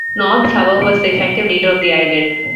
Nobbs, however, was the effective leader of the island.